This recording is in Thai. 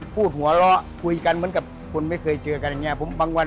พูดหัวเราะคุยกันเหมือนกับคนไม่เคยเจอกันอย่างนี้บางวัน